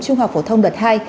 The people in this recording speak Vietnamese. trung học phổ thông đợt hai